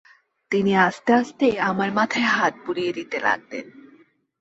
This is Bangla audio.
তিনি আস্তে আস্তে আমার মাথায় হাত বুলিয়ে দিতে লাগলেন।